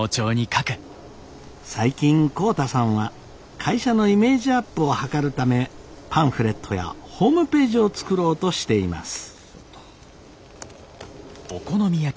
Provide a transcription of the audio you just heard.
最近浩太さんは会社のイメージアップを図るためパンフレットやホームページを作ろうとしています。